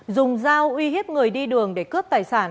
dùng dao uy hiếp người đi đường để cướp tài sản